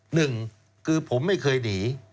หนึ่งคือผมไม่เคยหนี